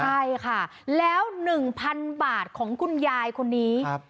ใช่ค่ะแล้วหนึ่งพันบาทของคุณยายคนนี้